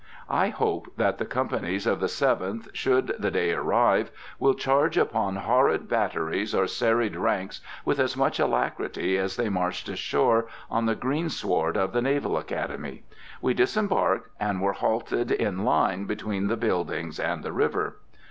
I hope that the companies of the Seventh, should the day arrive, will charge upon horrid batteries or serried ranks with as much alacrity as they marched ashore on the greensward of the Naval Academy. We disembarked, and were halted in line between the buildings and the river.